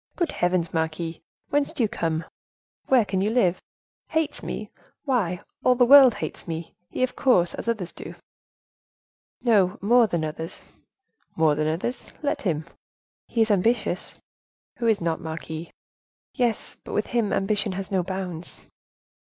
"Good heavens! marquise, whence do you come? where can you live? Hates me! why all the world hates me, he, of course, as others do." "He more than others." "More than others—let him." "He is ambitious." "Who is not, marquise." "Yes, but with him ambition has no bounds."